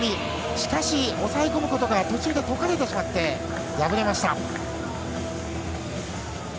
しかし、抑え込むことが途中でとかれてしまって敗れました。